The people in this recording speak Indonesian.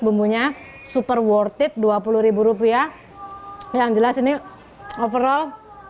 bumbunya super worth it dua puluh rupiah yang jelas ini overall